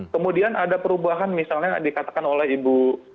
kemudian ada perubahan misalnya dikatakan oleh ibu